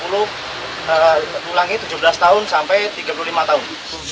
dua puluh pulangnya tujuh belas tahun sampai tiga puluh lima tahun